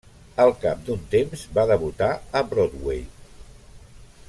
Al cap d'un temps va debutar a Broadway.